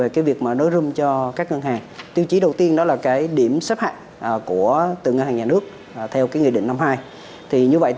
tiêu chí đầu tiên là điểm xếp hạng của từng ngân hàng nhà nước theo nghị định năm hai